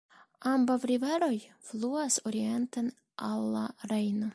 Ambaŭ riveroj fluas orienten al la Rejno.